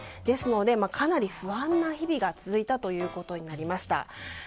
ですので、かなり不安な日々が続いたということになりました。